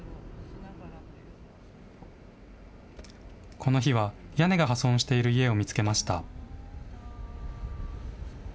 この日は、屋根が破損している家を見つけました。